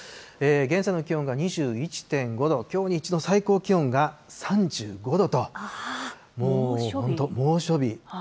現在の気温は２１．５度、きょう日中の最高気温が３５度と、もう猛暑日。